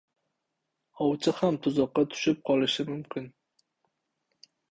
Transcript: • Ovchi ham tuzoqqa tushib qolishi mumkin.